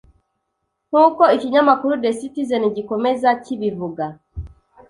nk'uko ikinyamakuru The Citizen gikomeza kibivuga.